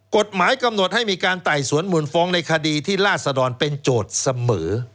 กฎหมายกำหนดให้มีการไต่สวนมูลฟ้องในคดีที่ราศดรเป็นโจทย์เสมอ